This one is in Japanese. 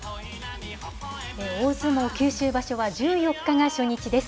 大相撲九州場所は１４日が初日です。